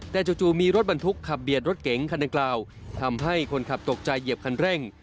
แต่จู่มีรถบรรทุกขับเบียดรถเก๋งคันดังกล่าวทำให้คนขับตกใจเหยียบคันเร่ง